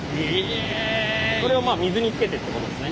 それをまあ水につけてってことですね。